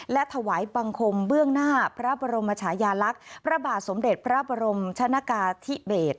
และถวายบังคมเบื้องหน้าพระบรมชายาลักษณ์พระบาทสมเด็จพระบรมชนกาธิเบศ